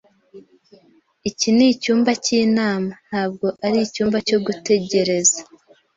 Iki nicyumba cyinama, ntabwo ari icyumba cyo gutegereza.